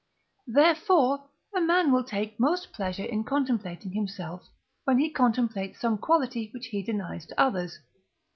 Therefore, a man will take most pleasure in contemplating himself, when he contemplates some quality which he denies to others.